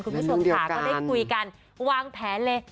คุณผู้ชมค่ะก็ได้คุยกันวางแผนเลย